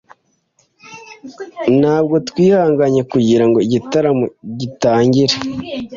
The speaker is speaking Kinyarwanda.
Ntabwo twihanganye kugirango igitaramo gitangire.